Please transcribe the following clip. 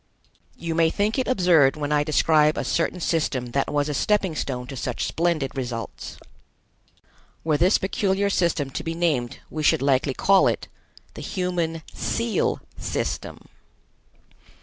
You may think it absurd when I describe a certain system that was a stepping stone to such splendid results. Were this peculiar system to be named, we should likely call it: "The Human Seal System."